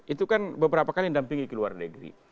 itu kan beberapa kali yang dampingi ke luar negeri